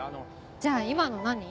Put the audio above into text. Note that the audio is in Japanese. じゃあ今の何？